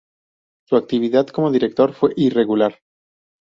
Su actividad como director fue irregular.